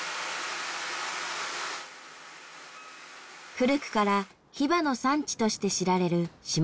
古くからヒバの産地として知られる下北半島。